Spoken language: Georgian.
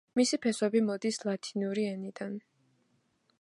მისი ფესვები მოდის ლათინური ენიდან.